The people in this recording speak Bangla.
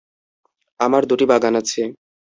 আমার দুটি বাগান আছে।